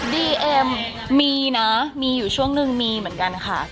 เอ็มมีนะมีอยู่ช่วงนึงมีเหมือนกันค่ะ